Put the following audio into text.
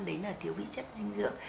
đấy là thiếu vị chất dinh dưỡng